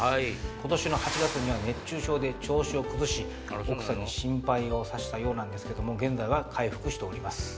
今年の８月には熱中症で調子を崩し奥さんに心配をさしたようなんですけど現在は回復しております。